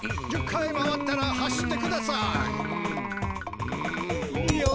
１０回回ったら走ってください！